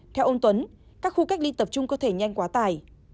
theo ông tuấn các khu cách ly tập trung có thể nhanh quá tài